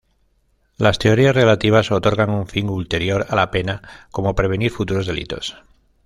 Las teorías relativas otorgan un fin ulterior a la pena, como prevenir futuros delitos.